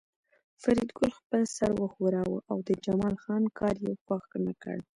فریدګل خپل سر وښوراوه او د جمال خان کار یې خوښ نکړ